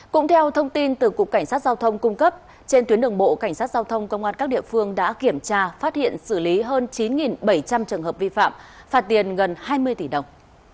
cũng theo thông tin từ cục cảnh sát giao thông cung cấp trên tuyến đường bộ cảnh sát giao thông công an các địa phương đã kiểm tra phát hiện xử lý hơn chín bảy trăm linh trường hợp vi phạm phạt tiền gần hai mươi tỷ đồng